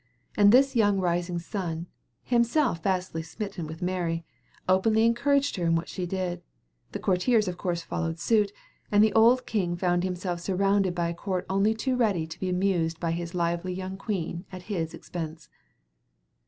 As this young rising sun, himself vastly smitten with Mary, openly encouraged her in what she did, the courtiers of course followed suit, and the old king found himself surrounded by a court only too ready to be amused by his lively young queen at his expense.